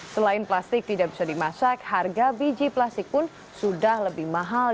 selain plastik tidak bisa dimasak harga biji plastik pun sudah lebih mahal